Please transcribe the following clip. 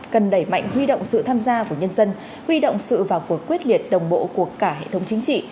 cần đẩy mạnh huy động sự tham gia của nhân dân huy động sự vào cuộc quyết liệt đồng bộ của cả hệ thống chính trị